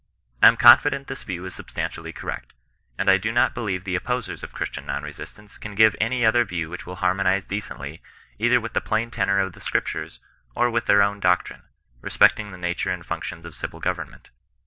I am confident this view is sub stantially correct ; and I do not believe the opposers of Christian non resistance can give any other view which will harmonize decently, either with the plain tenor of the Scriptures, or with their own doctrine, respecting the nature and functions of civil government.